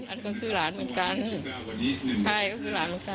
อันก็คือหลานเหมือนกันใช่ก็คือหลานของฉัน